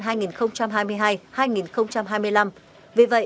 vì vậy bảy nhóm vấn đề